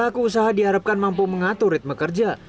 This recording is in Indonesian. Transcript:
menjaga kesehatan mental dan menjaga kemampuan mengatur ritme kerja